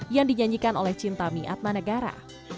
yang dinyanyikan oleh cinta miat manegara